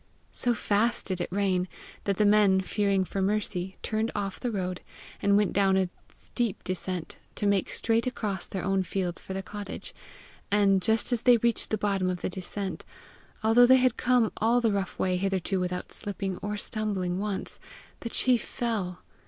So fast did it rain, that the men, fearing for Mercy, turned off the road, and went down a steep descent, to make straight across their own fields for the cottage; and just as they reached the bottom of the descent, although they had come all the rough way hitherto without slipping or stumbling once, the chief fell.